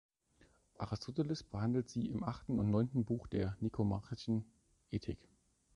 Aristoteles behandelt sie im achten und neunten Buch der "Nikomachischen Ethik".